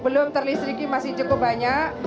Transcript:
belum terlistriki masih cukup banyak